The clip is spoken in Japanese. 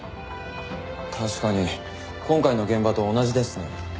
確かに今回の現場と同じですね。